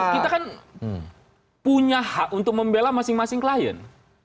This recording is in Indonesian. kita kan punya hak untuk membela masing masing klien